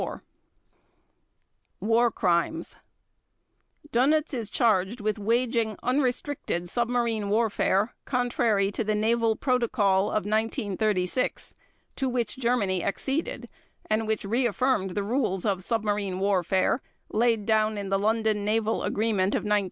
War Crimes Dönitz is charged with waging unrestricted submarine warfare contrary to the Naval Protocol of 1936, to which Germany acceded, and which reaffirmed the rules of submarine warfare laid down in the London Naval Agreement of 1930.